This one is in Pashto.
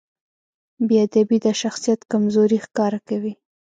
بېادبي د شخصیت کمزوري ښکاره کوي.